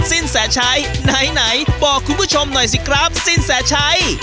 สินแสชัยไหนบอกคุณผู้ชมหน่อยสิครับสินแสชัย